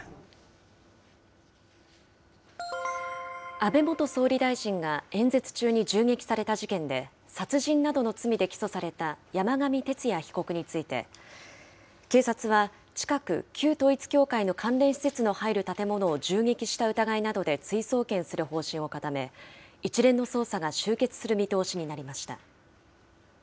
安倍元総理大臣が演説中に銃撃された事件で、殺人などの罪で起訴された山上徹也被告について、警察は、近く旧統一教会の関連施設の入る建物を銃撃した疑いなどで追送検する方針を固め、一連の捜査が終結する見通しになりました。